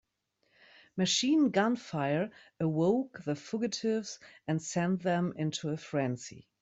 Machine gun fire awoke the fugitives and sent them into a frenzy.